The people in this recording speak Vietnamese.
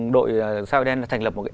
đội sao đen thành lập